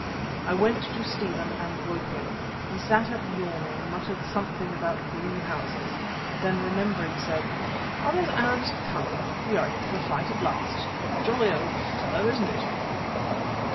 I went to Stephen and woke him. He sat up yawning, muttered something about greenhouses; then remembering, said: "Are those Arabs coming? We are in for a fight at last. Jolly, old fellow, isn't it?"